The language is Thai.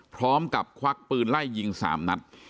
พร้อมกับควักปืนไล่ยิงสามนัด